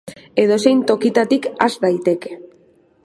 Edozein tokitatik has daiteke.